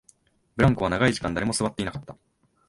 ブランコは長い時間、誰も座っていなかった